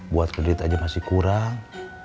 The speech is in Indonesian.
buat kredit aja masih kurang